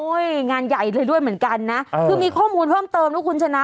งานใหญ่เลยด้วยเหมือนกันนะคือมีข้อมูลเพิ่มเติมนะคุณชนะ